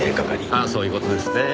まあそういう事ですねぇ。